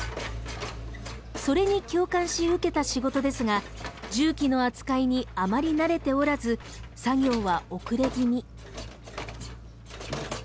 それに共感し受けた仕事ですが重機の扱いにあまり慣れておらず作業は遅れ気味。